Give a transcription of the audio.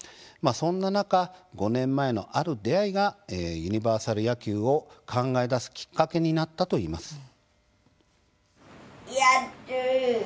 そんな中、５年前のある出会いがユニバーサル野球を考えだすきっかけになったといいます。